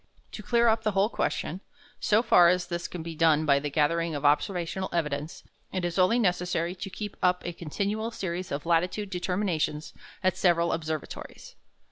To clear up the whole question, so far as this can be done by the gathering of observational evidence, it is only necessary to keep up a continual series of latitude determinations at several observatories.